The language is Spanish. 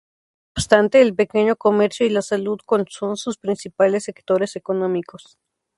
No obstante, el pequeño comercio y la salud son sus principales sectores económicos.